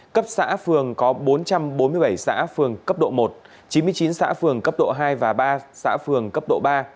cấp xã phường có bốn trăm bốn mươi bảy xã phường cấp độ một chín mươi chín xã phường cấp độ hai và ba xã phường cấp độ ba